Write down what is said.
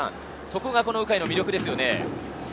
そこが鵜飼の魅力ですね。